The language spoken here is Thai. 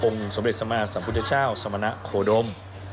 องค์สมเด็จสมาธิสัมพุทธเจ้าสมณะโขดม